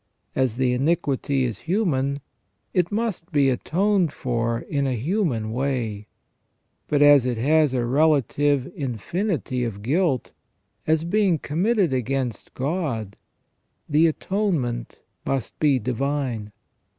As the iniquity is human, it must be atoned for in a human way ; but as it has a relative infinity of guilt, as being committed against God, the atonement must be divine.